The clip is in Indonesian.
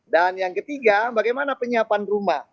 dan yang ketiga bagaimana penyiapan rumah